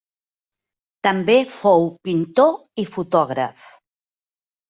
També fou pintor i fotògraf.